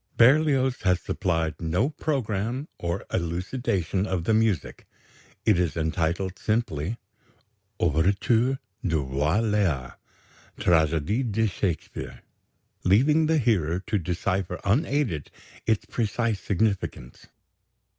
Berlioz has supplied no programme or elucidation of the music. It is entitled simply, Ouverture du Roi Léar (Tragédie de Shakespeare), leaving the hearer to decipher unaided its precise significance.